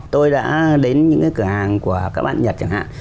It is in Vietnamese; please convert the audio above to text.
tôi đã đến những cái cửa hàng của các bạn nhật chẳng hạn